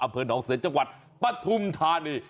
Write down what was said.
อเภิลเขาเสร็จจังวัดปทุมธานี